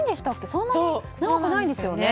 そんなに長くないですよね。